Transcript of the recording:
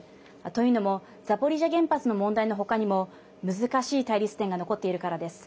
というのもザポリージャ原発の問題の他にも難しい対立点が残っているからです。